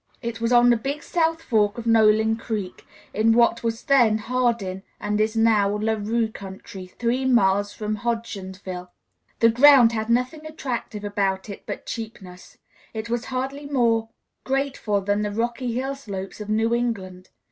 It was on the Big South Fork of Nolin Creek, in what was then Hardin and is now La Rue County, three miles from Hodgensville. The ground had nothing attractive about it but its cheapness. It was hardly more grateful than the rocky hill slopes of New England.